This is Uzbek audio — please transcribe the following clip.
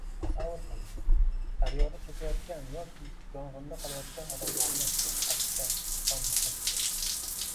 Tasavvur qiling, daryoda cho‘kayotgan yoki yong‘inda qolgan odamlarni qutqarishda son muhim.